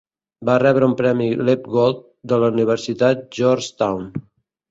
Va rebre un premi Lepgold de la Universitat de Georgetown.